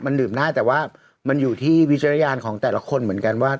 มันดื่มได้แต่ว่ามันอยู่ที่วิจารณญาณของแต่ละคนเหมือนกันว่า